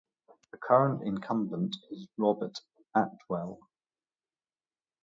The current incumbent is Robert Atwell.